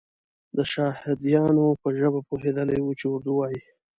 د شهادیانو په ژبه پوهېدلی وو چې اردو وایي.